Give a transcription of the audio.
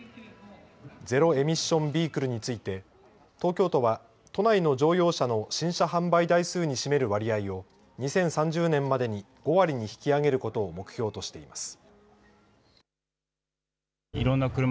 ゼロ・エミッション・ビークルについて東京都は都内の乗用車の新車販売台数に占める割合を２０３０年までに５割に引き上げることを目標としています。